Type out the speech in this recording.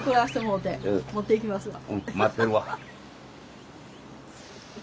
うん待ってるわ。